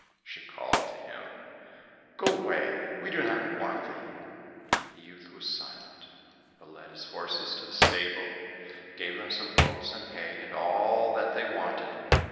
She called to him, "Go away, we do not want thee!" The youth was silent, but led his horses to the stable, gave them some oats and hay, and all that they wanted.